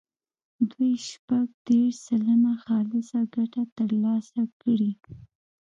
دوی شپږ دېرش سلنه خالصه ګټه ترلاسه کړي.